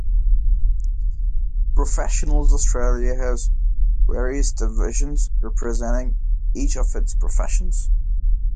Professionals Australia has various divisions representing each of its professions.